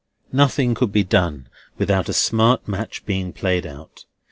Nothing could be done without a smart match being played out.